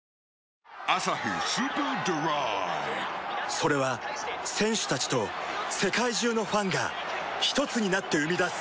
それは選手たちと世界中のファンがひとつになって生み出す